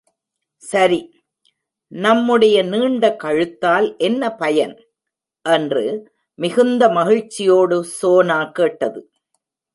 சரி, நம்முடைய நீண்ட கழுத்தால் என்ன பயன்? என்று மிகுந்த மகிழ்ச்சியோடு சோனா கேட்டது.